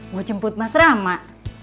mau jemput mas ramah